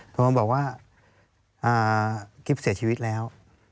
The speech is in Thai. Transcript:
โทรมาบอกว่ากิ๊บเสียชีวิตแล้ว